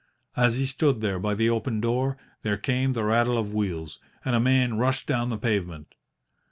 As he stood there by the open door, there came the rattle of wheels, and a man rushed down the pavement.